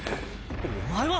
お前は！